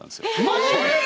マジで？